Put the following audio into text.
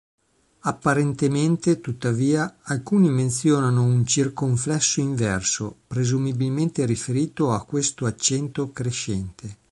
Apparentemente, tuttavia, alcuni menzionano un "circonflesso inverso", presumibilmente riferito a questo accento crescente.